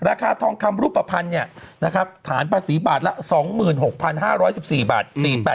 ราคาทองคำรูปพันธุ์ฐานประสิทธิ์บาทละ๒๖๕๑๔บาท